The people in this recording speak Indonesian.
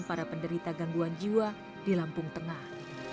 para penderita gangguan jiwa di lampung tengah